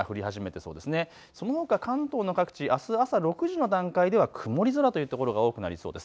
そのほか関東の各地、あす朝６時の段階では曇り空というところが多くなりそうです。